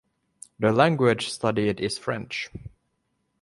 The language studied is French.